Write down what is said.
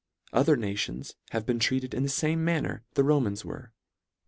Other nations have been treated in the fame manner the Romans were.